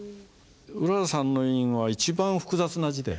うららさんの印は一番複雑な字でね。